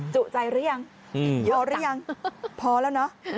จุใจหรือยังพอหรือยังพอแล้วเนอะ